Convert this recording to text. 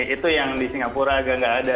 itu yang di singapura agak nggak ada